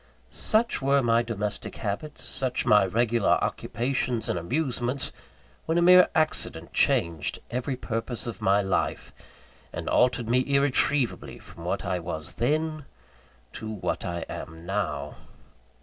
Such were my domestic habits, such my regular occupations and amusements, when a mere accident changed every purpose of my life, and altered me irretrievably from what I was then, to what I am now.